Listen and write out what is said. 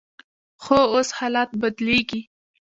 خو اوس حالات بدلیږي.